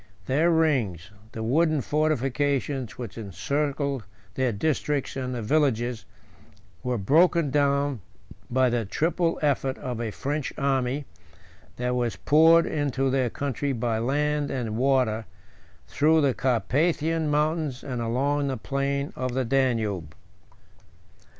Their rings, the wooden fortifications which encircled their districts and villages, were broken down by the triple effort of a French army, that was poured into their country by land and water, through the Carpathian mountains and along the plain of the Danube.